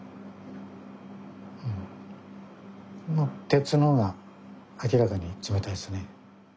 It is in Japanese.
鉄の方が明らかに冷たいですね。